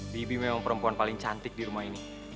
bibi memang perempuan paling cantik di rumah ini